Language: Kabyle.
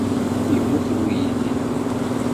Yemmut weydi.